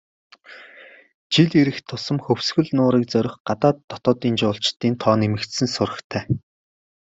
Жил ирэх тусам Хөвсгөл нуурыг зорих гадаад, дотоод жуулчдын тоо нэмэгдсэн сурагтай.